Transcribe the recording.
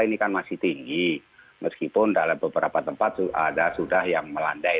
ini kan masih tinggi meskipun dalam beberapa tempat ada sudah yang melandai